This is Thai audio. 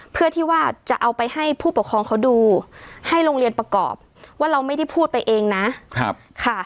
เพื่อที่ว่าจะเอาไปให้ผู้ปกครองเขาดูให้โรงเรียนประกอบว่าเราไม่ได้พูดไปเองนะค่ะ